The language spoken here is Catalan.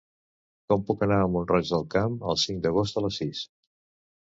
Com puc anar a Mont-roig del Camp el cinc d'agost a les sis?